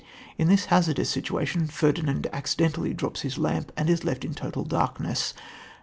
In this hazardous situation, Ferdinand accidentally drops his lamp and is left in total darkness.